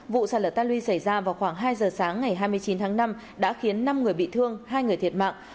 vụ sạt lở ta luy xảy ra vào khoảng hai giờ sáng ngày hai mươi chín tháng năm đã khiến năm người bị thương hai người thiệt mạng